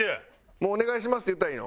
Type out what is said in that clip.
もう「お願いします」って言ったらいいの？